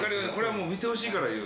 見てほしいから言う。